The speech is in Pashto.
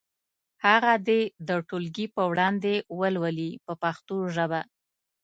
هغه دې د ټولګي په وړاندې ولولي په پښتو ژبه.